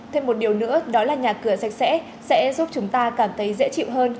thêm một điều nữa đó là nhà cửa sạch sẽ sẽ giúp chúng ta cảm thấy dễ chịu hơn